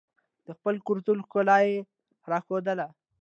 د خپل کلتور ښکلا یې راښودله.